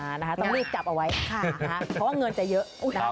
อ่าคะต้องยิบจับเอาไว้ค่ะเพราะว่าเงินจะเยอะ